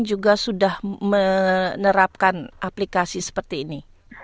juga sudah menerapkan aplikasi seperti ini